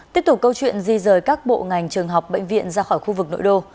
tiếp tục câu chuyện di rời các bộ ngành trường học bệnh viện ra khỏi khu vực nội đô